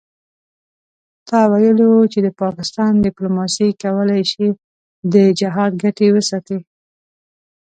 ته ویلي وو چې د پاکستان دیپلوماسي کولای شي د جهاد ګټې وساتي.